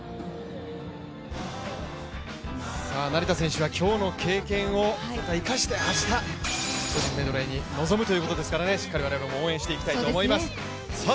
成田選手は今日の経験を生かして明日、個人メドレーに臨むということですから我々も応援していきたいと思います。